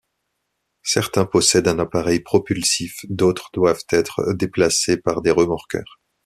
Certains possèdent un appareil propulsif, d'autres doivent être déplacés par des remorqueurs.